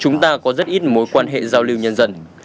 chúng ta có rất ít mối quan hệ giao lưu nhân dân